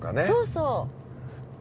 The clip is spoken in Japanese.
そうそう！